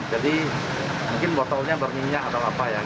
jadi mungkin botolnya berminyak atau apa ya